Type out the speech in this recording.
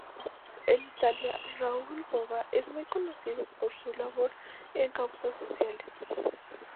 En Italia, Raoul Bova es muy conocido por su labor en causas sociales.